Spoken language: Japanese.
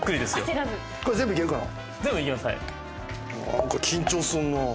何か緊張すんな。